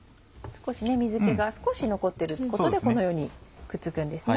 水気が少し残っていることでこのようにくっつくんですね。